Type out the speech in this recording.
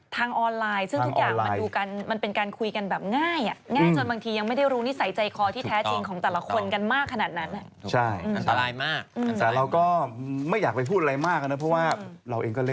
ทางออนไลน์ซึ่งทุกอย่างมันเป็นการคุยกันแบบง่าย